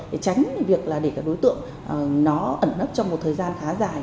để tránh việc là để các đối tượng nó ẩn nấp trong một thời gian khá dài